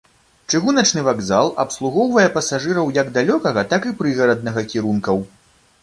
Чыгуначны вакзал абслугоўвае пасажыраў як далёкага, так і прыгараднага кірункаў.